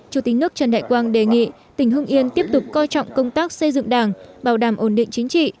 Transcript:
chủ tịch nước trần đại quang đề nghị tỉnh hưng yên tiếp tục coi trọng công tác xây dựng đảng bảo đảm ổn định chính trị